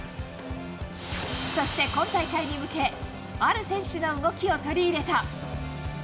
そして、今大会に向け、ある選手の動きを取り入れた。